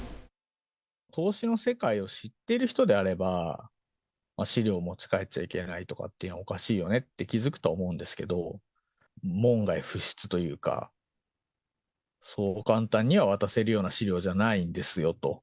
投資の世界を知ってる人であれば、資料を持ち帰っちゃいけないというのはおかしいよねって気付くと思うんですけれども、門外不出というか、そう簡単には渡せるような資料じゃないんですよと。